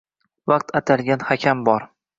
Vaqt atalgan hakam bor!